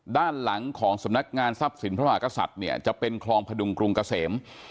ด้านหลังของสำนักงานทรัพย์สินพระมหากษัตริย์เนี่ยจะเป็นคลองพดุงกรุงเกษม